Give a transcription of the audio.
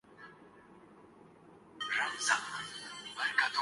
چوہدری نثار کو بھی داد دینی چاہیے۔